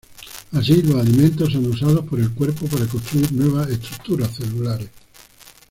Así, los alimentos son usados por el cuerpo para construir nuevas estructuras celulares.